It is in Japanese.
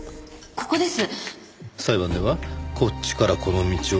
ここです。